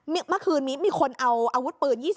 เมื่อคืนนี้มีคนเอาอาวุธปืน๒๐